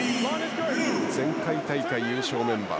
前回大会優勝メンバー。